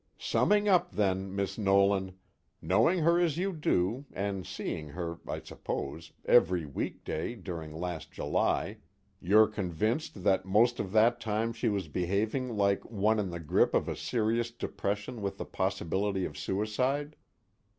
"Summing up then, Miss Nolan: knowing her as you do, and seeing her, I suppose, every week day during last July you're convinced that most of that time she was behaving like one in the grip of a serious depression with the possibility of suicide?"